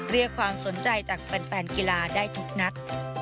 เรียกความสนใจจากแฟนกีฬาได้ทุกนัด